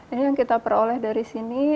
ini yang kita peroleh dari sini